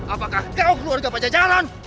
apakah kau keluarga pajajaran